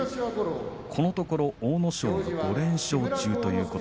このところ阿武咲５連勝中です。